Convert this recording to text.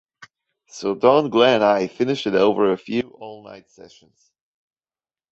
So Don, Glenn and I finished it over a few all night sessions.